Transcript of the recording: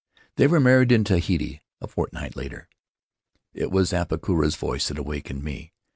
They were married in Tahiti a fortnight later. It was Apakura's voice that awakened me.